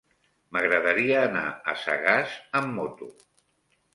M'agradaria anar a Sagàs amb moto.